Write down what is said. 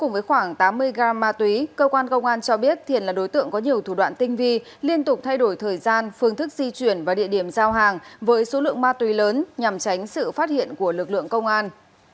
trong hiện trường thiền bị bắt giữ cùng với khoảng tám mươi gram ma túy cơ quan công an cho biết thiền là đối tượng có nhiều thủ đoạn tinh vi liên tục thay đổi thời gian phương thức di chuyển và địa điểm giao hàng với số lượng ma túy lớn nhằm tránh sự phát hiện của lực lượng công an